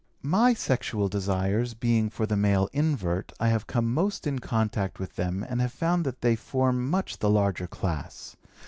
"My sexual desires being for the male invert I have come most in contact with them and have found that they form much the larger class.